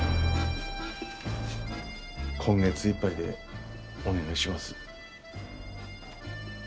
今月いっぱいでお願いします。